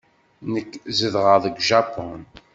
Nekk zedɣeɣ deg Japun.